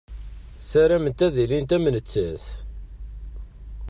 Ssarament ad ilint am nettat.